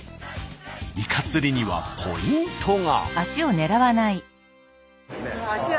イカ釣りにはポイントが。